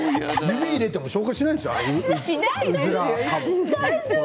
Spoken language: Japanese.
指を入れても消化しないでしょう。